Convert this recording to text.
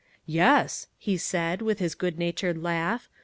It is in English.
" Yes," he said, with his good natured laugh.